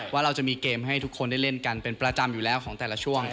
ว่าเราจะมีเกมให้ทุกคนได้เล่นกันเป็นประจำอยู่แล้วของแต่ละช่วง